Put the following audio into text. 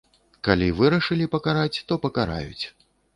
Калі вырашылі пакараць, то пакараюць.